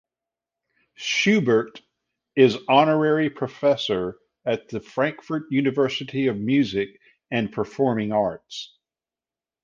Schubert is honorary professor at the Frankfurt University of Music and Performing Arts.